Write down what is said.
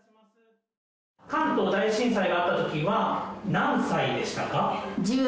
関東大震災があったときは、何歳でしたか？